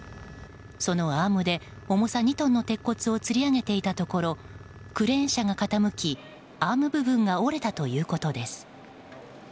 そのアームで重さ２トンの鉄骨をつり上げていたところクレーン車が傾き、アーム部分が折れたということです。